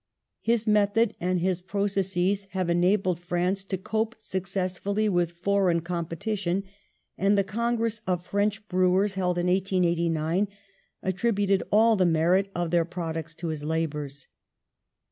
His method and his processes have enabled France to cope successfully with foreign com petition, and the congress of French brewers, THE SPIRIT OF PATRIOTISM 113 held in 1889, attributed all the merit of their products to his labours.